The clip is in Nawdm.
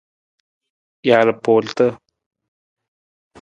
Jalpuurata.